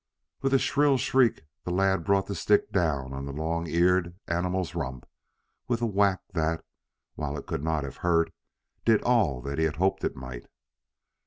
With a shrill shriek the lad brought the stick down on the long eared animal's rump with a whack that, while it could not have hurt, did all that he had hoped it might.